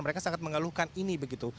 mereka sangat mengeluhkan ini begitu